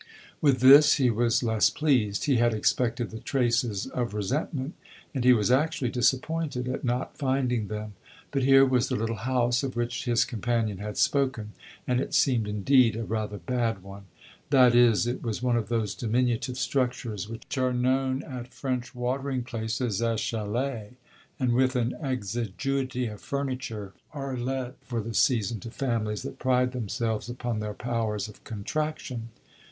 With this he was less pleased; he had expected the traces of resentment, and he was actually disappointed at not finding them. But here was the little house of which his companion had spoken, and it seemed, indeed, a rather bad one. That is, it was one of those diminutive structures which are known at French watering places as "chalets," and, with an exiguity of furniture, are let for the season to families that pride themselves upon their powers of contraction.